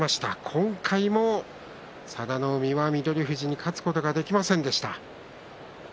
今回も佐田の海は翠富士に勝つことができませんでした。